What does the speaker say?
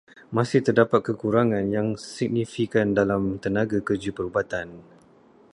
Masih terdapat kekurangan yang signifikan dalam tenaga kerja perubatan.